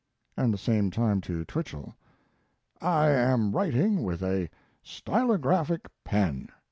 And at the same time to Twichell: I am writing with a stylographic pen.